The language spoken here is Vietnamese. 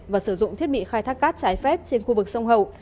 và sử dụng thiết bị khai thác cát trái phép trên khu vực sông hậu